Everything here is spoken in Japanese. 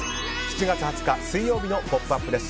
７月２０日水曜日の「ポップＵＰ！」です。